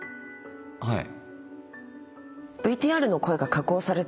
はい。